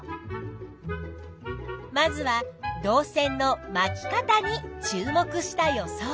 まずは導線の「まき方」に注目した予想。